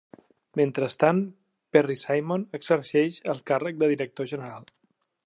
Mentrestant, Perry Simon exerceix el càrrec de director general.